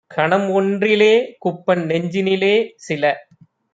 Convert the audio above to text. கணம்ஒன்றி லேகுப்பன் நெஞ்சினிலே - சில